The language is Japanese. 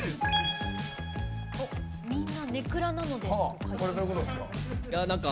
「みんな根暗なので」。